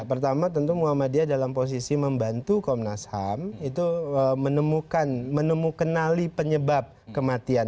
karena tentu muhammadiyah dalam posisi membantu komnas ham itu menemukan menemukan penyebab kematian